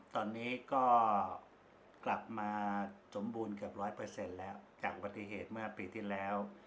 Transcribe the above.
ตอนนี้ก็กลับมาสมบูรณ์เกือบร้อยเปอร์เซ็นต์แล้วจากอุบัติเหตุเมื่อปีที่แล้ว